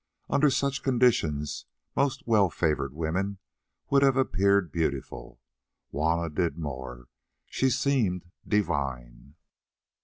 Under such conditions most well favoured women would have appeared beautiful; Juanna did more, she seemed divine.